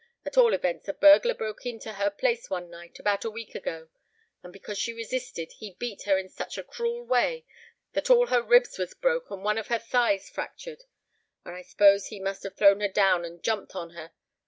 At all events a burglar broke into her place one night, about a week ago; and because she resisted, he beat her in such a cruel way that all her ribs was broke and one of her thighs fractured—so I 'spose he must have thrown her down and jumped on her.